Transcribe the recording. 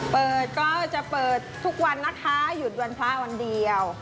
เปิดก็จะเปิดทุกวันนะคะหยุดวันพระวันเดียว